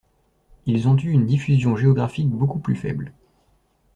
Ils ont eu une diffusion géographique beaucoup plus faible.